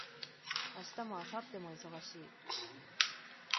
明日も明後日も忙しい